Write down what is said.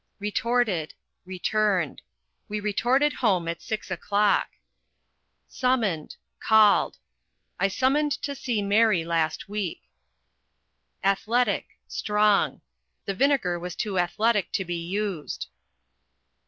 Retorted = Returned: We retorted home at six o'clock. Summoned = Called: I summoned to see Mary last week. Athletic = Strong: The vinegar was too athletic to be used.